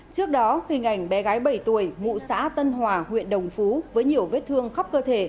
trước đó hình ảnh bé gái bảy tuổi ngụ xã tân hòa huyện đồng phú với nhiều vết thương khắp cơ thể